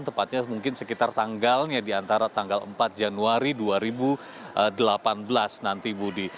tepatnya mungkin sekitar tanggalnya di antara tanggal empat januari dua ribu delapan belas nanti budi